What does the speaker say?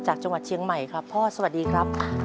จังหวัดเชียงใหม่ครับ